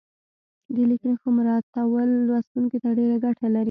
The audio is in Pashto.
د لیک نښو مراعاتول لوستونکي ته ډېره ګټه لري.